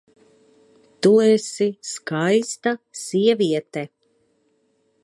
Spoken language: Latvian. Tu esi Skaista Sieviete!